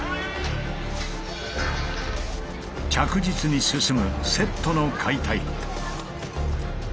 着実に進むセットの解体。